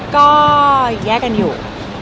ก็แยกกันอยู่